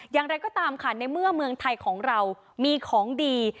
อย่างไรก็ตามค่ะในเมื่อเมืองไทยของเรามีของดี